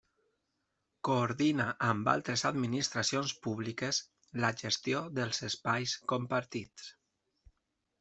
Coordina amb altres administracions públiques la gestió dels espais compartits.